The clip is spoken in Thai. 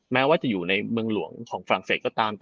แม้ว่าจะอยู่ในเมืองหลวงของฝรั่งเศสก็ตาม